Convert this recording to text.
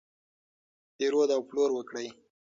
پیرود او پلور وکړئ.